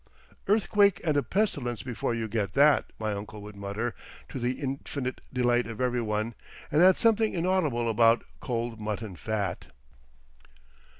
"Earthquake and a pestilence before you get that," my uncle would mutter, to the infinite delight of every one, and add something inaudible about "Cold Mutton Fat."...